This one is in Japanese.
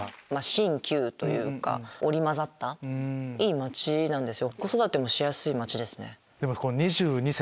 新旧というか織り交ざったいい街なんですよ。